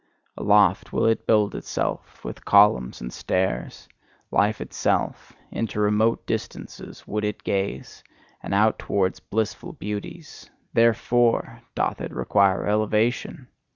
Aloft will it build itself with columns and stairs life itself: into remote distances would it gaze, and out towards blissful beauties THEREFORE doth it require elevation!